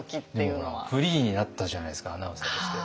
でもほらフリーになったじゃないですかアナウンサーとして。